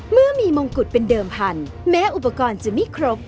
เมื่อมีมงกุฎเป็นเดิมพันธุ์แม้อุปกรณ์จะไม่ครบ